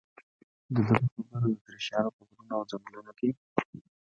د ده په خبره اتریشیانو په غرونو او ځنګلونو کې.